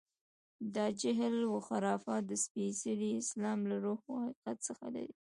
دا جهل و خرافات د سپېڅلي اسلام له روح و حقیقت څخه لرې دي.